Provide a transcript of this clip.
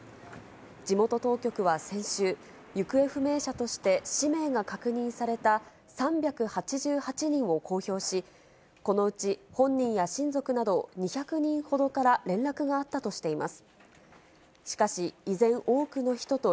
地元当局は先週、行方不明者として氏名が確認された３８８人を公表し、このうち本人や親族など２００人ほどから連絡があったとしています。